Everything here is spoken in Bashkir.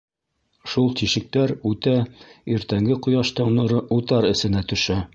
Шул тишектәр үтә иртәнге ҡояштың нуры утар эсенә төшә.